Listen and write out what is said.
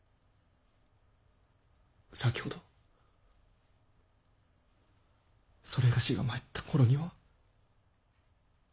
先ほどそれがしが参った頃には。